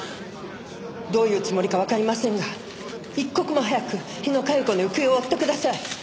どういうつもりかわかりませんが一刻も早く日野佳代子の行方を追ってください！